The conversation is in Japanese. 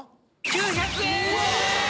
９００円！